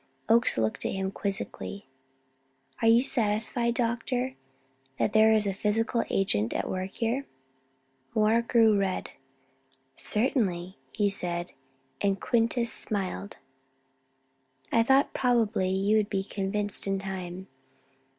Oakes looked at him quizzically. "Are you satisfied, Doctor, that there is a physical agent at work here?" Moore grew red. "Certainly," he said. And Quintus smiled. "I thought probably you would be convinced in time.